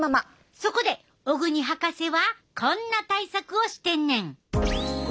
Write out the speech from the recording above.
そこで小國博士はこんな対策をしてんねん。